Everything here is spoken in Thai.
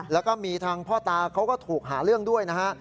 แล้วก็มีทางพ่อตาเขาก็ถูกหาเรื่องด้วยนะฮะ